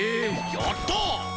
やった！